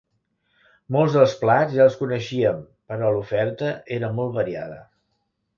Molts dels plats ja els coneixíem, però l'oferta era molt variada.